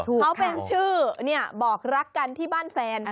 เขาเป็นชื่อบอกรักกันที่บ้านแฟน